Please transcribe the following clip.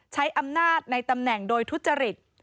ใช้อำนาจในตำแหน่งโดยทุจริต